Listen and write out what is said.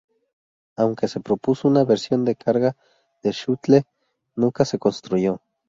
Aunque se propuso una versión de carga de Shuttle, nunca se construyó.